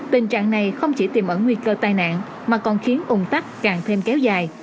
tình trạng này không chỉ tìm ẩn nguy cơ tai nạn mà còn khiến ủng tắc càng thêm kéo dài